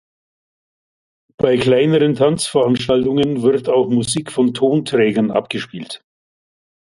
Bei kleineren Tanzveranstaltungen wird auch Musik von Tonträgern abgespielt.